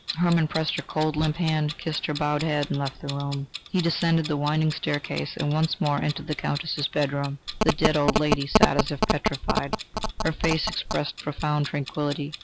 Hermann pressed her cold, limp hand, kissed her bowed head, and left the room. He descended the winding staircase, and once more entered the Countess's bedroom. The dead old lady sat as if petrified; her face expressed profound tranquillity.